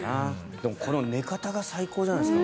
でも、この寝方が最高じゃないですか。